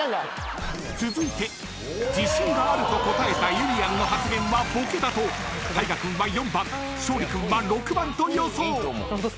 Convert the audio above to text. ［続いて自信があると答えたゆりやんの発言はボケだと大我君は４番勝利君は６番と予想］